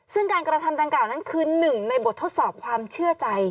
ซึ่งการกระทำดังกล่าวนั้นคือหนึ่งในบททดสอบความเชื่อใจ